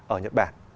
ở nhật bản